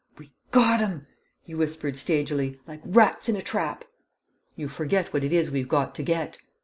"We got 'em," he whispered, stagily, "like rats in a trap!" "You forget what it is we've got to get."